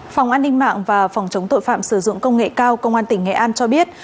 phòng an ninh mạng và phòng chống tội phạm sử dụng công nghệ cao công an tỉnh nghệ an cho biết